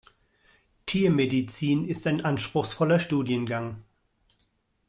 Tiermedizin ist ein anspruchsvoller Studiengang.